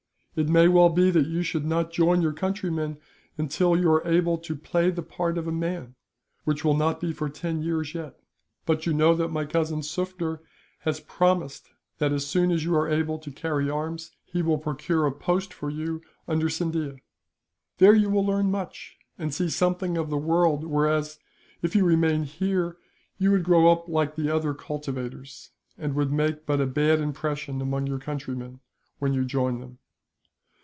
It may well be that you should not join your countrymen until you are able to play the part of a man, which will not be for ten years yet; but you know that my cousin Sufder has promised that, as soon as you are able to carry arms, he will procure a post for you under Scindia. "There you will learn much, and see something of the world whereas, if you remain here, you would grow up like other cultivators, and would make but a bad impression among your countrymen, when you join them.